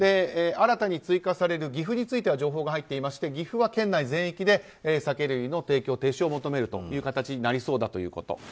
新たに追加される岐阜については情報が入っていまして岐阜は県内全域で酒類の提供停止を求める形になりそうだということ。